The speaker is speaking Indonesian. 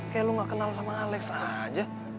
kayak lu gak kenal sama alex aja